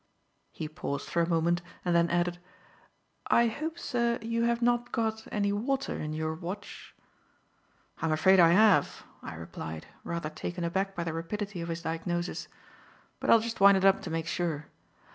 He paused for a moment and then added: "I hope, sir, you have not got any water into your watch." "I'm afraid I have," I replied, rather taken aback by the rapidity of his diagnosis. "But I'll just wind it up to make sure."